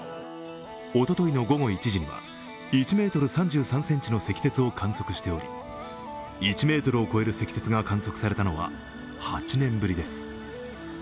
おとといの午後１時には１ｍ３３ｃｍの積雪を観測しており１ｍを超える積雪が観測されたのは８年ぶりです。